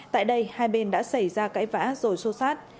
tại đây hai bên đã xảy ra cãi vã rồi xô sát